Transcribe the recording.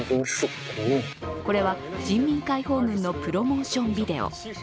これは人民解放軍のプロモーションビデオ。